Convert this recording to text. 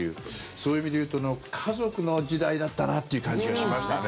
そういう意味で言うと家族の時代だったなという感じがしましたね。